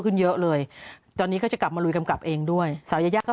ขึ้นเยอะเลยตอนนี้ก็จะกลับมาลุยกำกับเองด้วยสาวยายาก็